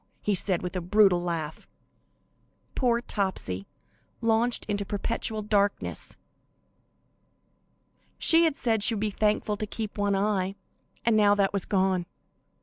he said, with a brutal laugh. Poor Topsy, launched into perpetual darkness! She had said she would be thankful to keep one eye, and now that was gone.